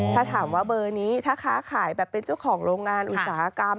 ถ้าถามว่าเบอร์นี้ถ้าค้าขายแบบเป็นเจ้าของโรงงานอุตสาหกรรม